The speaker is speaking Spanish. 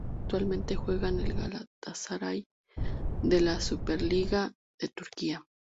Actualmente juega en el Galatasaray de la Superliga de Turquía.